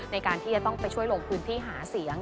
ในการที่จะต้องไปช่วยลงพื้นที่หาเสียง